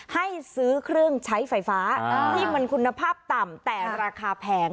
ให้ซื้อเครื่องใช้ไฟฟ้าที่มันคุณภาพต่ำแต่ราคาแพง